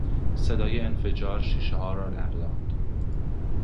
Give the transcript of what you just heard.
صدای انفجار شیشهها را لرزاند.